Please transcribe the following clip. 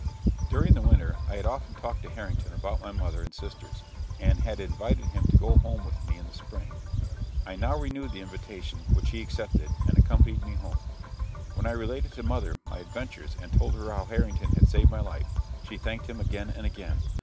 During the winter I had often talked to Harrington about my mother and sisters, and had invited him to go home with me in the spring. I now renewed the invitation, which he accepted, and accompanied me home. When I related to mother my adventures and told her how Harrington had saved my life, she thanked him again and again.